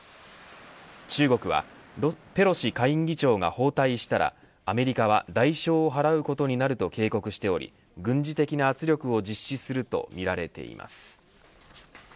中国はペロシ下院議長が訪台したらアメリカは代償を払うことになると警告しており軍事的な圧力を実施するとみられています。